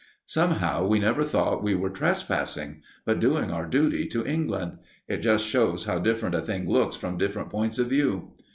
Somehow we never thought we were trespassing, but doing our duty to England. It just shows how different a thing looks from different points of view.